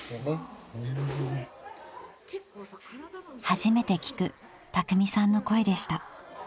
［初めて聞くたくみさんの声でした］